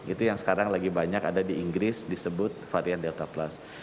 itu yang sekarang lagi banyak ada di inggris disebut varian delta plus